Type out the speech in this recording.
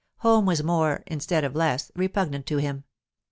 Home was more, instead of less, repugnant to him.